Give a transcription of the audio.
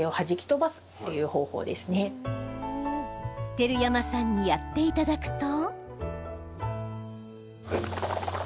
照山さんにやっていただくと。